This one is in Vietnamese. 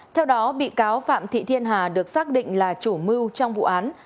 theo đó bị cáo phạm thị thiên hà được xác định là chủ mưu trong vụ án